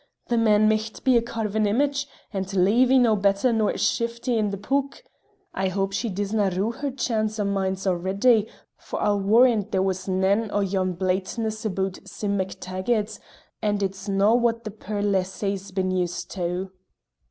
The man micht be a carven image, and Leevie no better nor a shifty in the pook. I hope she disnae rue her change o' mind alreadys, for I'll warrant there was nane o' yon blateness aboot Sim MacTaggart, and it's no' what the puir lassie's been used to."